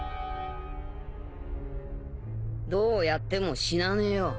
どうやっても死なねえよ。